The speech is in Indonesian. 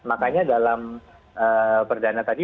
makanya dalam perdana tadi